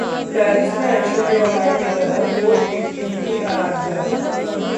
Paris में ऐश्वर्या राय की तरह पोज देती दिखीं आराध्या